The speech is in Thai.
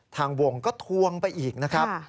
ทางวงก็ทวงไปอีกนะครับ